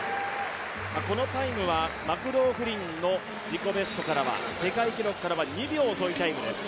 このタイムはマクローフリンの自己ベストからは世界記録からは２秒遅いタイムです